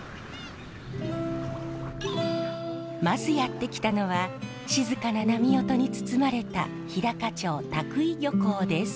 まずやって来たのは静かな波音に包まれた日高町田杭漁港です。